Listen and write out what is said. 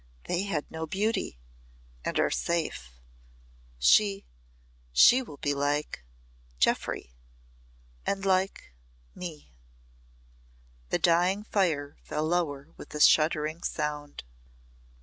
"They had no beauty and are safe. She she will be like Jeoffry and like me." The dying fire fell lower with a shuddering sound.